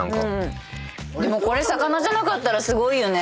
これ魚じゃなかったらすごいね。